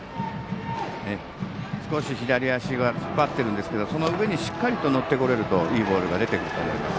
少し左足を引っ張っているんですがその上にしっかりと乗れるといいボールが出てくると思います。